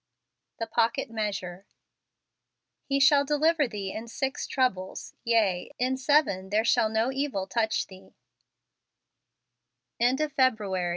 The Pocket Measure. "He shall deliver thee in six troubles: yea, in seven there shall no evil touch th